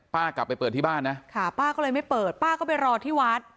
กลับไปเปิดที่บ้านนะค่ะป้าก็เลยไม่เปิดป้าก็ไปรอที่วัด